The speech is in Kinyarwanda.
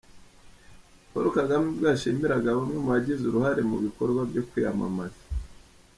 Paul Kagame ubwo yashimiraga bamwe mu bagize uruhare mu bikorwa byo kwiyamamaza.